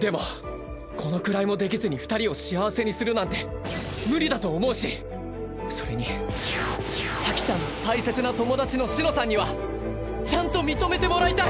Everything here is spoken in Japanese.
でもこのくらいもできずに二人を幸せにするなんて無理だと思うしそれに咲ちゃんの大切な友達の紫乃さんにはちゃんと認めてもらいたい。